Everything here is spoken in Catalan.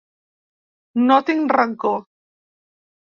No tinc rancor.